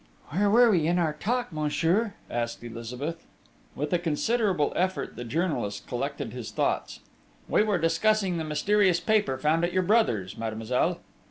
"Where were we in our talk, monsieur?" asked Elizabeth. With a considerable effort, the journalist collected his thoughts. "We were discussing the mysterious paper found at your brother's, mademoiselle."